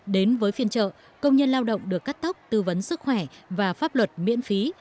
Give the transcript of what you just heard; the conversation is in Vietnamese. đến với phiên trợ công nhân lao động được cắt tóc tư vấn sức khỏe và pháp luật miễn phí